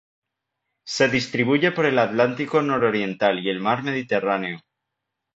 Se distribuye por el Atlántico nororiental y el mar Mediterráneo.